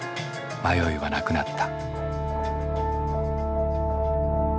迷いはなくなった。